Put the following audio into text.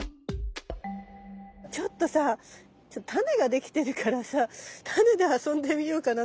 ちょっとさタネができてるからさタネで遊んでみようかなと。